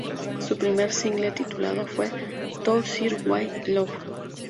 Su primer single titulado fue "To Sir With Love".